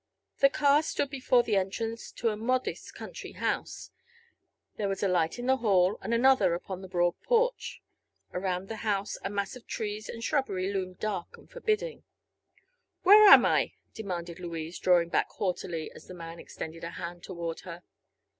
The car stood before the entrance to a modest country house. There was a light in the hall and another upon the broad porch. Around the house a mass of trees and shrubbery loomed dark and forbidding. "Where am I?" demanded Louise, drawing back haughtily as the man extended a hand toward her.